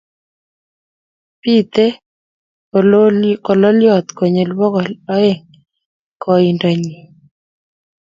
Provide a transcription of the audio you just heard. Bitei kololiot konyil bokol oeng' koindonyin